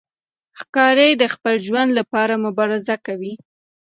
ښکاري د خپل ژوند لپاره مبارزه کوي.